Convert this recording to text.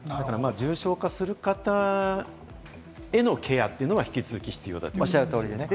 重症化する方へのケアっていうのが引き続き必要だということですね。